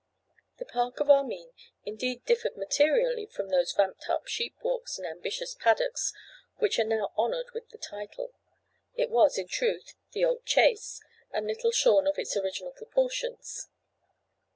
The park of Armine indeed differed materially from those vamped up sheep walks and ambitious paddocks which are now honoured with the title. It was, in truth, the old chase, and little shorn of its original proportions.